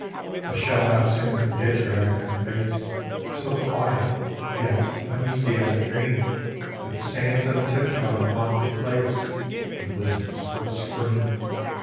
I shall not soon forget her and her face, So quiet, yet uneasy as a dream That stands on tip toe in a haunted place And listens for a scream.